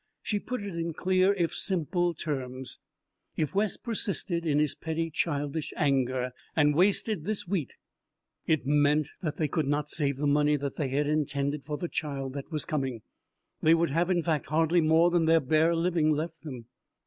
She put it in clear if simple terms. If Wes persisted in his petty childish anger and wasted this wheat, it meant that they could not save the money that they had intended for the child that was coming. They would have, in fact, hardly more than their bare living left them.